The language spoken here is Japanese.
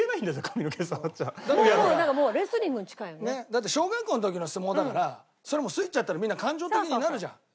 だって小学校の時の相撲だからそりゃもうスイッチ入ったらみんな感情的になるじゃん。